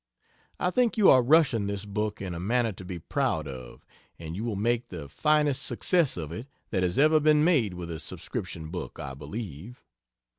I think you are rushing this book in a manner to be proud of; and you will make the finest success of it that has ever been made with a subscription book, I believe.